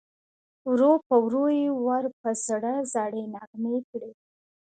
ورو په ورو یې ور په زړه زړې نغمې کړې